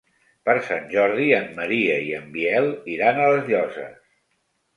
Per Sant Jordi en Maria i en Biel iran a les Llosses.